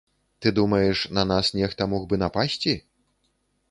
Ты думаеш, на нас нехта мог бы напасці?